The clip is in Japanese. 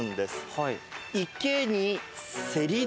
はい。